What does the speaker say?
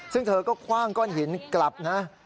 ซึ่งเธอก็คว่างก้อนหินกลับนะ